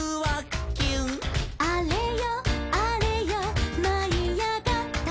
「あれよあれよまいあがったよ」